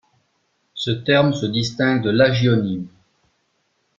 Ce terme se distingue de l'hagionyme.